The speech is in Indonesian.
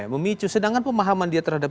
memicu sedangkan pemahaman dia terhadap